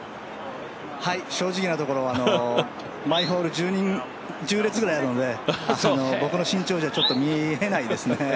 正直なところ毎ホール、１０列ぐらいあるので僕の身長じゃちょっと、見えないですね。